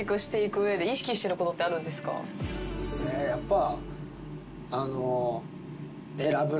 やっぱ。